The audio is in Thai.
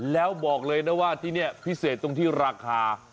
แล้วบอกเลยนะว่าที่นี่พิเศษตรงที่ราคา